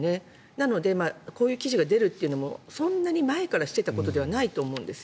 なので、こういう記事が出るというのもそんなの前からしていたことではないと思うんですよ。